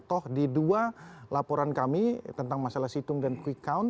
toh di dua laporan kami tentang masalah situng dan quick count